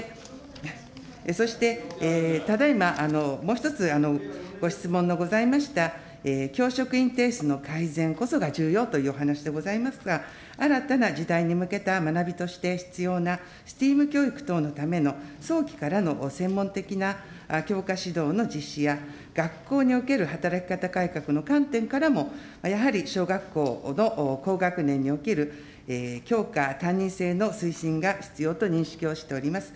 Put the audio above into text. そして、ただいまもう一つご質問のございました、教職員定数の改善こそが重要というお話でございますが、新たな時代に向けた学びとして必要な教育等の早期からの専門的な教科指導の実施や、学校における働き方改革の観点からもやはり小学校の高学年における教科担任制の推進が必要と認識をしております。